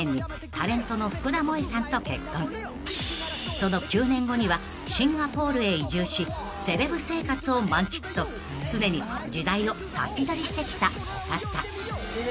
［その９年後にはシンガポールへ移住しセレブ生活を満喫と常に時代を先取りしてきたお方］